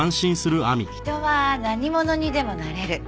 人は何者にでもなれる。